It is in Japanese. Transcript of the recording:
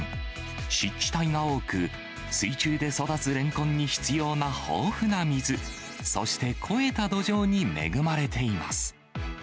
湿地帯が多く、水中で育つレンコンに必要な豊富な水、そして、肥えた土壌に恵まれています。